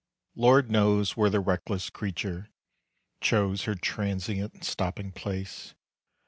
Lord knows where the reckless creature Chose her transient stopping place!